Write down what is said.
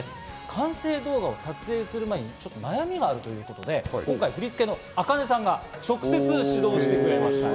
完成動画を撮影する前に悩みがあるということで、今回、振り付けのａｋａｎｅさんが直接指導してくれました。